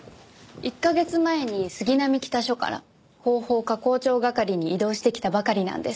１カ月前に杉並北署から広報課広聴係に異動してきたばかりなんです。